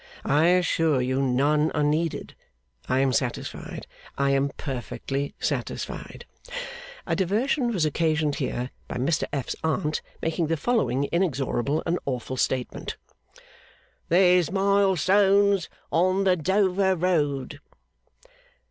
I assure you none are needed. I am satisfied I am perfectly satisfied.' A diversion was occasioned here, by Mr F.'s Aunt making the following inexorable and awful statement: 'There's mile stones on the Dover road!